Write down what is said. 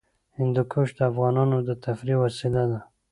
هندوکش د افغانانو د تفریح وسیله ده.